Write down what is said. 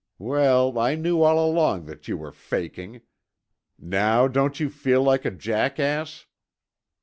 Well, I knew all along that you were faking. Now don't you feel like a jackass?"